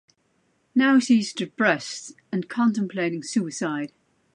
Now he's depressed, and contemplating suicide.